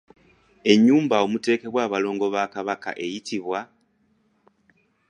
Enyumba omuterekebwa abalongo ba Kabaka eyitibwa ?